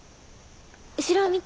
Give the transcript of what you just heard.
後ろを見て。